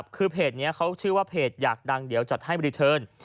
คือเพจนี้เขาชื่อว่าเพจอยากดังเดี๋ยวจัดให้รีเทิร์น